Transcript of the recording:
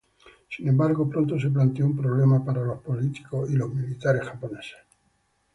Sin embargo, pronto se planteó un problema para los políticos y los militares japoneses.